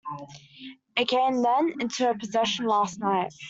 It came, then, into her possession last night.